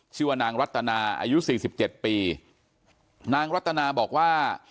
ชื่อว่านางรัตนาอายุ๔๗ปีนางรัตนาบอกว่า